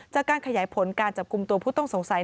จากการขยายผลการจับกลุ่มตัวผู้ต้องสงสัย